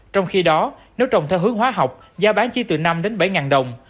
trong khi đó nếu trồng theo hướng hóa học giá bán chi từ năm bảy ngàn đồng